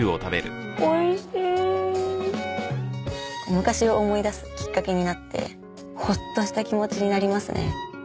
昔を思い出すきっかけになってホッとした気持ちになりますね。